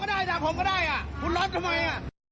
ถามเมียเขาก็ได้ถามผมก็ได้คุณรับทำไม